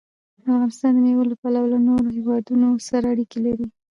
افغانستان د مېوو له پلوه له نورو هېوادونو سره اړیکې لري.